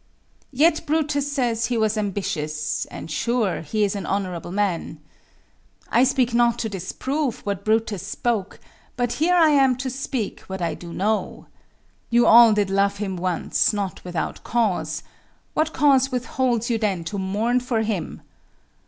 Yet Brutus says he was ambitious; And sure, he is an honorable man. I speak not to disprove what Brutus spoke, But here I am to speak what I do know. You all did love him once, not without cause; What cause withholds you then to mourn for him?